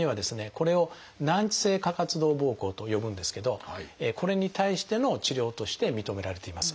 これを「難治性過活動ぼうこう」と呼ぶんですけどこれに対しての治療として認められています。